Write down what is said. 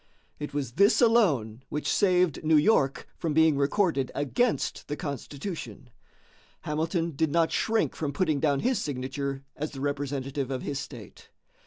It was this alone which saved New York from being recorded against the Constitution. Hamilton did not shrink from putting down his signature as the representative of his state.